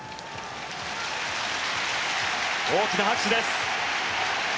大きな拍手です。